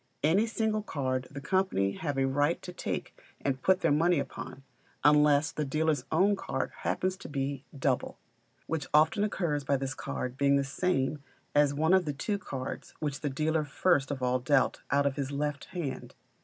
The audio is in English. Any single card the company have a right to take and put their money upon, unless the dealer's own card happens to be double, which often occurs by this card being the same as one of the two cards which the dealer first of all dealt out on his left hand.